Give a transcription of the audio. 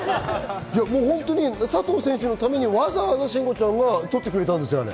佐藤選手のためにわざわざ慎吾ちゃんが撮ってくれたんですよ、あれ。